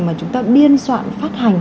mà chúng ta biên soạn phát hành